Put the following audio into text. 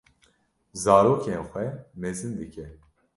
zarokên xwe mezin dike.